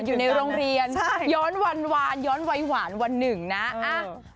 อยู่ในโรงเรียนใช่ย้อนวันวานย้อนวัยหวานวันหนึ่งนะอ่ะ